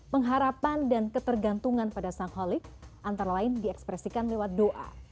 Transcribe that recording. pengharapan dan ketergantungan pada sang holik antara lain diekspresikan lewat doa